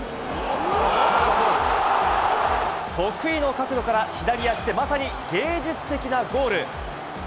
得意の角度から、左足でまさに芸術的なゴール！